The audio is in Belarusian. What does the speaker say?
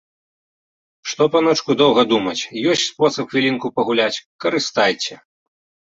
Што, паночку, доўга думаць, ёсць спосаб хвілінку пагуляць, карыстайце.